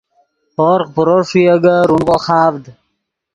ہورغ پرو ݰوئے اےگے رونغو خاڤد